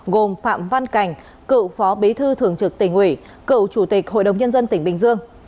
gồm phạm văn cảnh cựu phó bí thư thường trực tỉnh ủy cựu chủ tịch hội đồng nhân dân tỉnh bình dương